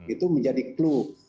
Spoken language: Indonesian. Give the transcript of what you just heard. itu menjadi clue